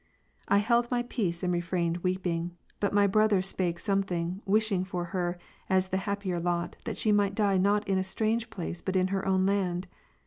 '' I held my peace and refrained weeping; but my brother spake something, wishing for her, as the happier lot, that she might die, not in a strange place, but in her own land.